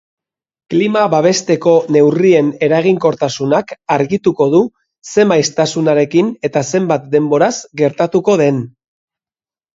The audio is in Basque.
Klima babesteko neurrien eraginkortasunak argituko du zer maiztasunarekin eta zenbat denboraz gertatuko den.